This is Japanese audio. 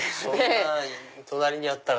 隣にあったら。